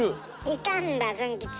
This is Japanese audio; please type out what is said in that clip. いたんだズン吉。